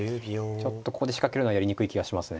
ちょっとここで仕掛けるのはやりにくい気がしますね。